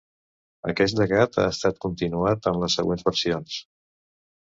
Aquest llegat ha estat continuat en les següents versions.